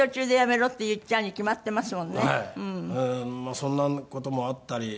そんな事もあったり。